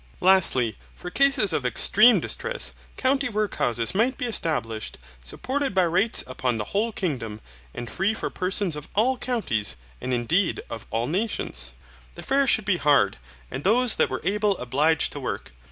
Lastly, for cases of extreme distress, county workhouses might be established, supported by rates upon the whole kingdom, and free for persons of all counties, and indeed of all nations. The fare should be hard, and those that were able obliged to work.